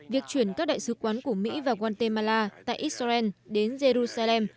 việc chuyển các đại sứ quán của mỹ và guatemala tại israel đến jerusalem